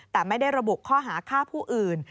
แต่ไม่ได้ระบุข้อหาฆ่าผู้อื่น